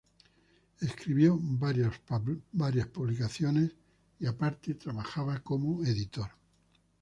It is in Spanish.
Escribió varios "Publicaciones" y aparte trabajaba como "editor".